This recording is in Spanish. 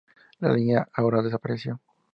La línea ahora desapareció.